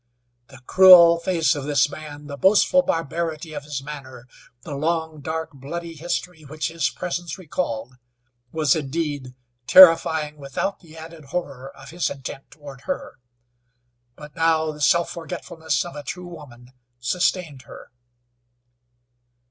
The cruel face of this man, the boastful barbarity of his manner, the long, dark, bloody history which his presence recalled, was, indeed, terrifying without the added horror of his intent toward her, but now the self forgetfulness of a true woman sustained her.